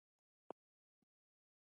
افغان مهاجرین په کومو هیوادونو کې دي؟